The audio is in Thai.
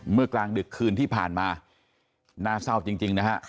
กลางดึกคืนที่ผ่านมาน่าเศร้าจริงนะฮะ